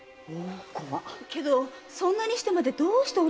けどそんなにしてまでどうして男の子を？